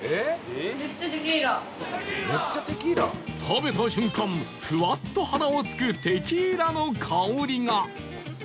食べた瞬間ふわっと鼻をつくテキーラの香りが